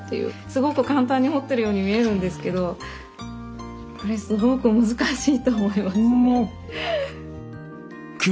すごく簡単に彫ってるように見えるんですけどこれすごく難しいと思います。